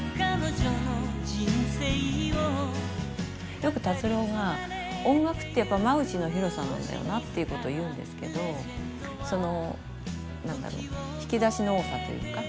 よく達郎が「音楽ってやっぱ間口の広さなんだよな」っていうことを言うんですけどその何だろう引き出しの多さというか。